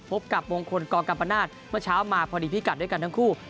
พบกับมงคลกรกัมปนาศเมื่อเช้ามาพอดีพิกัดด้วยกันทั้งคู่